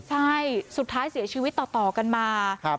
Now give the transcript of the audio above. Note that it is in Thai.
ใช่สุดท้ายเสียชีวิตต่อกันมา